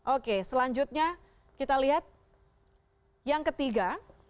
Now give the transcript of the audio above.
oke selanjutnya kita lihat yang ketiga